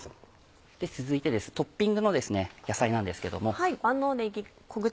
続いてトッピングの野菜なんですけども。